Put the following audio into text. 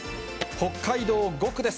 北海道５区です。